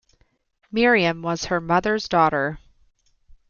Miriam was her mother’s daughter.